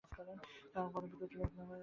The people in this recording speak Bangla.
তাহারও পরে আছে বিদ্যুল্লোক নামে আর একটি লোক।